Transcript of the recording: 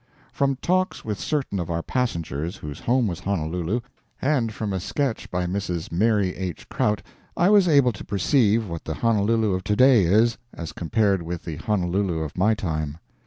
From talks with certain of our passengers whose home was Honolulu, and from a sketch by Mrs. Mary H. Krout, I was able to perceive what the Honolulu of to day is, as compared with the Honolulu of my time.